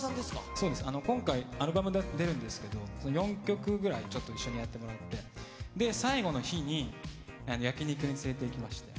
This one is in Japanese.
そうです、今回、アルバム出るんですけど、４曲ぐらいちょっと一緒にやってもらって、最後の日に、焼き肉に連れていきまして。